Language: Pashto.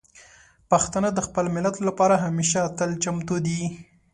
پښتانه د خپل ملت لپاره همیشه تل چمتو دي.